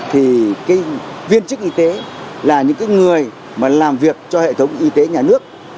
thì cái viên chức y tế là những người mà làm việc cho hệ thống y tế nhà nước